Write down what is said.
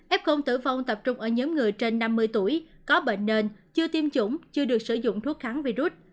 fol tử vong tập trung ở nhóm người trên năm mươi tuổi có bệnh nền chưa tiêm chủng chưa được sử dụng thuốc kháng virus